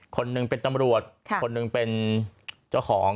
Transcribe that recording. คนหนึ่งเป็นตำรวจคนหนึ่งเป็นเจ้าของ